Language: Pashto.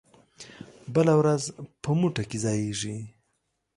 بله ورځ په مو ټه کې ځائېږي